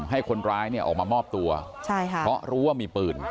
ให้คนร้ายเนี่ยออกมามอบตัวเพราะรู้ว่ามีปืน